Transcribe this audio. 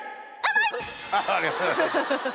ありがとうございます。